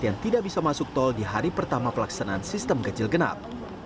yang tidak bisa masuk tol di hari pertama pelaksanaan sistem ganjil genap